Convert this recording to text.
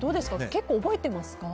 結構覚えてますか？